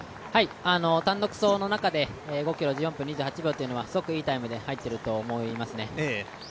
単独走の中で５ｋｍ１４分２８秒はすごくいいタイムで入ってると思いますね。